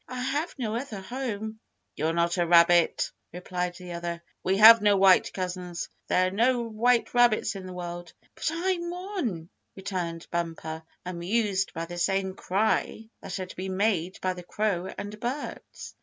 I have no other home." "You're not a rabbit!" replied the other. "We have no white cousins. There're no white rabbits in the world." "But I'm one," returned Bumper, amused by the same cry that had been made by the crow and birds.